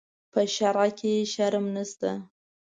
په شرعه کې شرم نشته.